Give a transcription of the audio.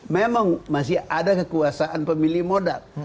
memang masih ada kekuasaan pemilih modal